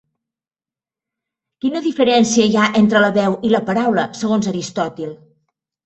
Quina diferència hi ha entre la veu i la paraula, segons Aristòtil?